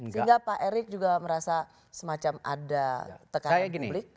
sehingga pak erick juga merasa semacam ada tekanan publik